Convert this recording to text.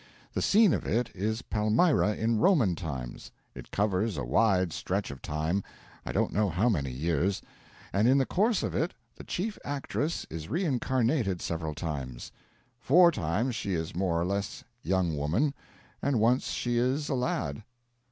The scene of it is Palmyra in Roman times. It covers a wide stretch of time I don't know how many years and in the course of it the chief actress is reincarnated several times: four times she is a more or less young woman, and once she is a lad.